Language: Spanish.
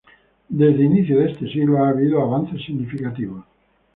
Desde inicio de este siglo ha habido avances significativos.